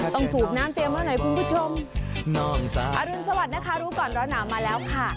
สูบน้ำเตรียมไว้หน่อยคุณผู้ชมอรุณสวัสดิ์นะคะรู้ก่อนร้อนหนาวมาแล้วค่ะ